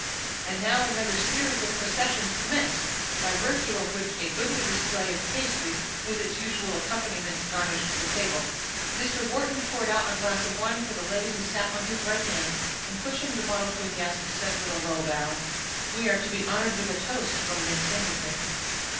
And now another series of processions commenced, by virtue of which a goodly display of pastry, with its usual accompaniments, garnished the table. Mr. Wharton poured out a glass of wine for the lady who sat on his right hand, and, pushing the bottle to a guest, said with a low bow,— "We are to be honored with a toast from Miss Singleton."